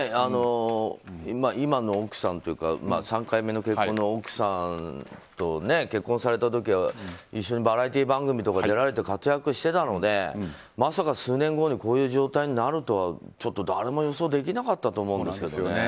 今の奥さんというか３回目の結婚の奥さんと結婚された時は一緒にバラエティー番組とか出られて活躍していたのでまさか数年後にこういう状態になるとはちょっと誰も予想できなかったと思うんですけどね。